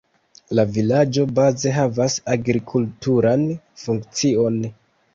La vilaĝo baze havas agrikulturan funkcion.